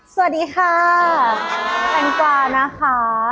สวัสดีค่ะแตงกวานะคะ